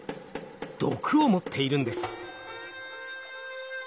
毒を持っているんです。